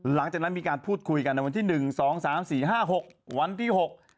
หลังจากนั้นมีการพูดคุยกันวันที่๑๒๓๔๕๖วันที่๖